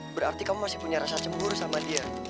berarti kamu masih punya rasa cemburu sama dia